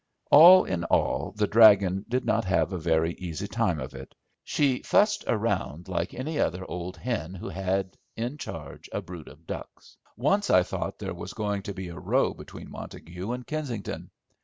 All in all the "dragon" did not have a very easy time of it. She fussed around like any other old hen who had in charge a brood of ducks. Once I thought there was going to be a row between Montague and Kensington.